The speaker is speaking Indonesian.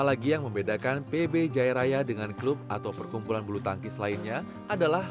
lagi yang membedakan pb jaya raya dengan klub atau perkumpulan bulu tangkis lainnya adalah